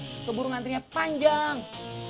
itu burung antrinya panjang